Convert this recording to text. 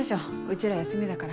ちら休みだから。